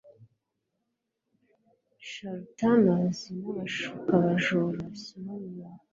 charlatans n'abashuka abajura simoniacs